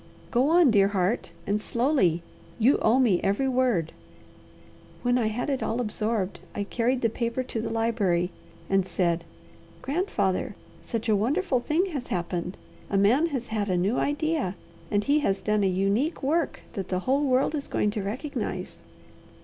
Go on, dear heart, and slowly! You owe me every word." "When I had it all absorbed, I carried the paper to the library and said, 'Grandfather, such a wonderful thing has happened. A man has had a new idea, and he has done a unique work that the whole world is going to recognize.